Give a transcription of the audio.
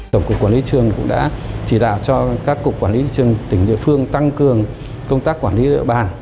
tổng cục quản lý thị trường cũng đã chỉ đạo cho các cục quản lý thị trường tỉnh địa phương tăng cường công tác quản lý địa bàn